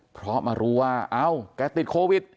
เพราะมารู้ว่าเอ้าแกติดโควิด